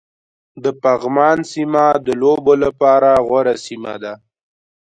د پغمان سيمه د لوبو لپاره غوره سيمه ده